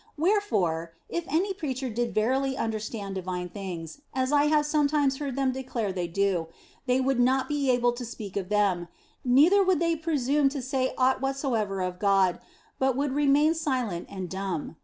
Wherefore, if any preacher did verily understand divine things (as I have sometimes heard them declare they do) they would not be able to speak of them, neither would they presume to say aught whatsoever of God, but would remain silent and dumb.